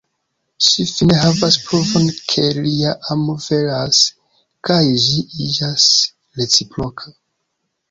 Ŝi fine havas pruvon ke lia amo veras, kaj ĝi iĝas reciproka.